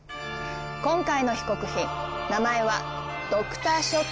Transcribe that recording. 今回の被告品名前は。